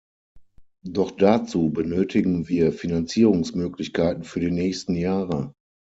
Doch dazu benötigen wir Finanzierungsmöglichkeiten für die nächsten Jahre.